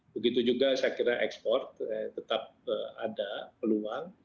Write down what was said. begitu juga saya kira ekspor tetap ada peluang